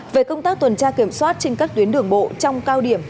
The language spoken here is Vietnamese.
về công tác tuần tra kiểm soát trên các tuyến đường bộ trong cao điểm